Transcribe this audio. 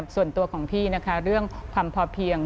ส่วนตัวของพี่นะคะเรื่องความพอเพียง